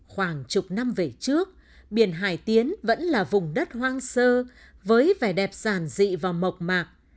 khoảng chục năm về trước biển hải tiến vẫn là vùng đất hoang sơ với vẻ đẹp giản dị và mộc mạc